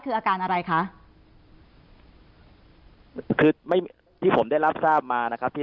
คืออาการอะไรคะคือไม่ที่ผมได้รับทราบมานะครับที่